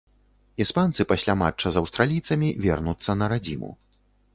Іспанцы пасля матча з аўстралійцамі вернуцца на радзіму.